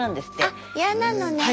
あっやなのね。